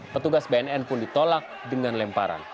petugas bnn pun ditolak dengan lemparan